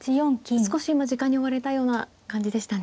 少し今時間に追われたような感じでしたね。